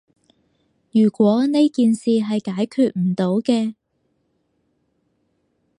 如果呢件事係解決唔到嘅